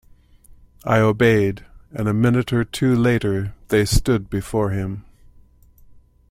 I obeyed, and a minute or two later they stood before him.